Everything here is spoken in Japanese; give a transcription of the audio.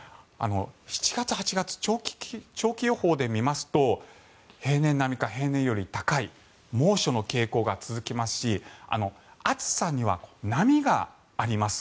７月、８月長期予報で見ますと平年並みか平年より高い猛暑の傾向が続きますし暑さには波があります。